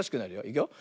いくよ。